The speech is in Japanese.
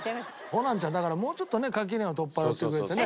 ホランちゃんだからもうちょっとね垣根を取っ払ってくれてね。